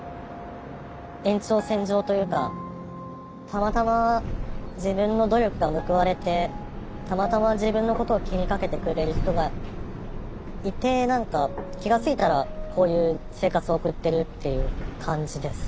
たまたま自分の努力が報われてたまたま自分のことを気にかけてくれる人がいて何か気が付いたらこういう生活を送ってるっていう感じです。